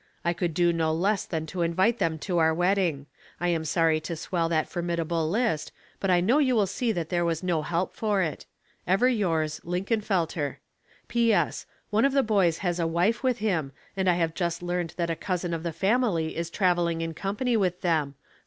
I could do no less than to invite them to our wedding. I am sorry to swell that formidable list, but I know you will see that there was no help for it. " Ever yours, Linkenfeltek. ''P. S. — One of the boys has a wife with him, and I have just learned that a cousin of the fam ily is traveling in company with them.